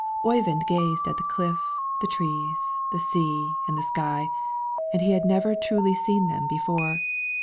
Oyvind gazed at the cliff, the trees, the sea, and the sky, and he had never truly seen them before.